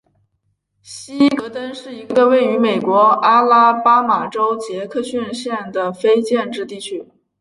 希格登是一个位于美国阿拉巴马州杰克逊县的非建制地区。